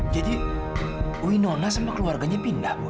jadi winona sama keluarganya pindah bu